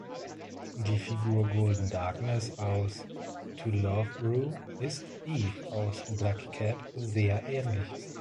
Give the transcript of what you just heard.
Die Figur "Golden Darkness" aus "To Love-Ru" ist "Eve" aus "Black Cat" sehr ähnlich.